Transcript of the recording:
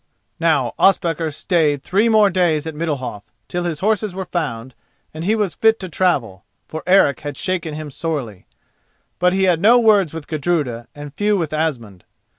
Now Ospakar stayed three more days at Middalhof, till his horses were found, and he was fit to travel, for Eric had shaken him sorely. But he had no words with Gudruda and few with Asmund.